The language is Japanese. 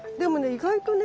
意外とね